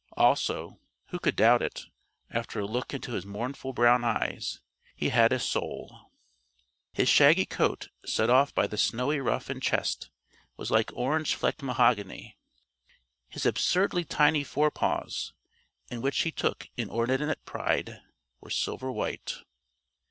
Also who could doubt it, after a look into his mournful brown eyes he had a Soul. His shaggy coat, set off by the snowy ruff and chest, was like orange flecked mahogany. His absurdly tiny forepaws in which he took inordinate pride were silver white.